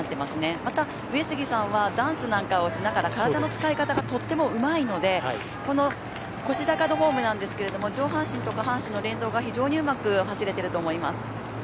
また、上杉さんはダンスなんかをしながら体の使い方がとってもうまいのでこの腰高のフォームなんですけど上半身と下半身の連動が非常にうまく走れていると思います。